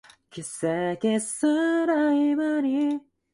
Another march route was in Beykoz.